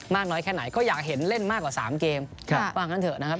น้อยแค่ไหนก็อยากเห็นเล่นมากกว่า๓เกมว่างั้นเถอะนะครับ